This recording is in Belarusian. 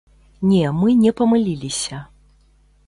Не, мы не памыліліся.